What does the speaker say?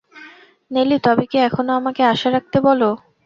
নেলি, তবে কি এখনো আমাকে আশা রাখতে বল।